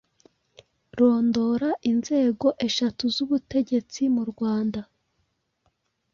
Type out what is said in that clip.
Rondora inzego eshatu z’ubutegetsi mu Rwanda